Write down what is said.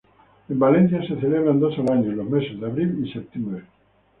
En Valencia se celebran dos al año en los meses de abril y septiembre.